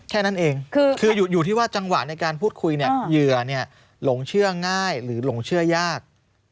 แค่นั้นเองคืออยู่ที่ว่าจังหวะในการพูดคุยเนี่ยเหยื่อหลงเชื่อง่ายหรือหลงเชื่อยาก